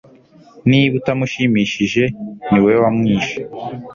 Niba atamushimishije niwe wamwishe